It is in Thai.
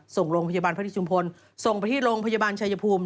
ส่งโรงพยาบาลพระที่ชุมพลส่งไปที่โรงพยาบาลชายภูมิ